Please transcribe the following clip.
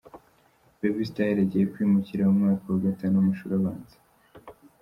Baby Style agiye kwimukira mu mwaka wa gatanu w'amashuri abanza.